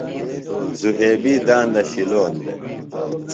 ذُھیبی داندہ شِلون دےۡ۔